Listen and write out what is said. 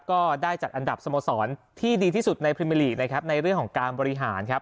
ก็ได้จัดอันดับสโมสรที่ดีที่สุดในปริมิลีในเรื่องของการบริหารครับ